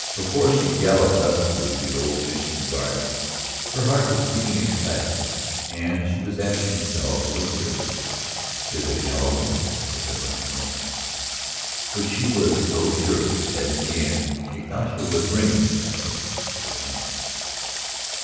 Before she galloped up to the old Mission garden her heart was beating excitedly, and she was asking herself, a little fearfully: "Is it Galloway or is it Rod Norton?" For she was so sure that in the end Ignacio would ring the Captain for one of them.